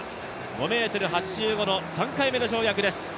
５ｍ８５の３回目の跳躍です。